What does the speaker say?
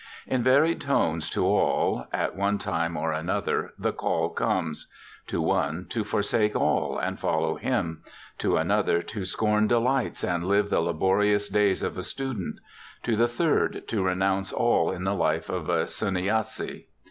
In varied tones to all, at one time or another, the call comes : to one, to forsake all and follow Him ; to another, to scorn delights and live the laborious days of a student ; to the third, to renounce all in the life of a Sunnyasi.